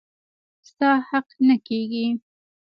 ستا حق نه کيږي.